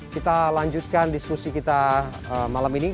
kita lanjutkan diskusi kita malam ini